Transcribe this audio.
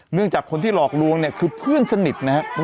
จากคนที่หลอกลวงเนี่ยคือเพื่อนสนิทนะครับ